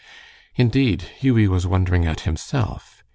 Indeed, Hughie was wondering at himself.